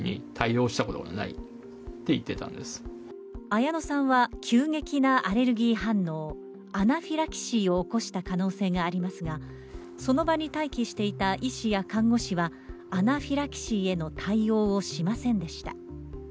綾乃さんは、急激なアレルギー反応、アナフィラキシーを起こした可能性がありますが、その場に待機していた医師や看護師はアナフィラキシーへの対応をしませんでした。